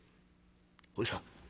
おじさん